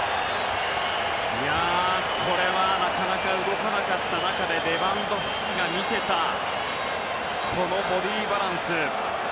これはなかなか動かなかった中でレバンドフスキが見せたボディーバランス。